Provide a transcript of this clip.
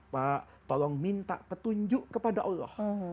pak tolong minta petunjuk kepada allah